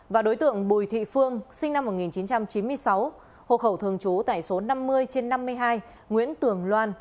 và đối tượng bùi thị phương sinh năm một nghìn chín trăm chín mươi sáu hộ khẩu thường trú tại số năm mươi trên năm mươi hai nguyễn tường loan